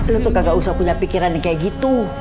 lu tuh kagak usah punya pikiran kayak gitu